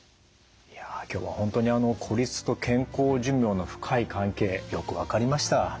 いや今日は本当に孤立と健康寿命の深い関係よく分かりました。